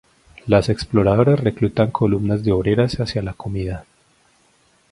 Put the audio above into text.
Las exploradoras reclutan columnas de obreras hacia la comida.